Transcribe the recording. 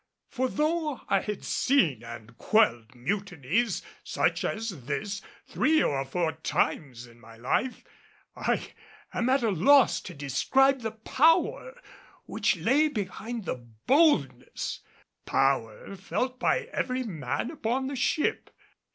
For though I had seen and quelled mutinies such as this three or four times in my life, I am at loss to describe the power which lay behind the boldness, power felt by every man upon the ship.